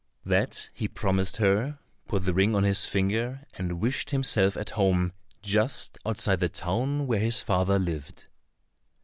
That he promised her, put the ring on his finger, and wished himself at home, just outside the town where his father lived.